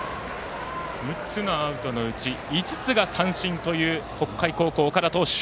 ６つのアウトのうち５つが三振という北海高校、岡田投手。